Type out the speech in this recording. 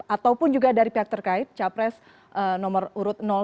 ataupun juga dari pihak terkait capres nomor urut dua